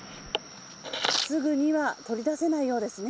すぐには取り出せないようですね。